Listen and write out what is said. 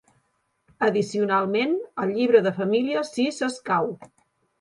Addicionalment, el llibre de família si s'escau.